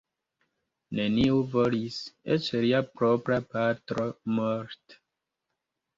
Neniu volis; eĉ lia propra patro Mort.